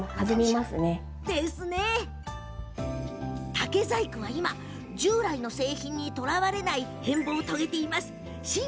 竹細工は今従来の製品にとらわれない姿に大きく進化して変貌を遂げているのです。